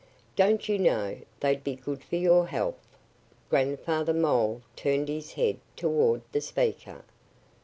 "Don't you know they'd be good for your health?" Grandfather Mole turned his head toward the speaker.